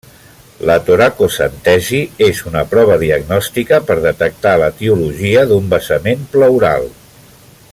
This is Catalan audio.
La toracocentesi és una prova diagnòstica per detectar l'etiologia d'un vessament pleural.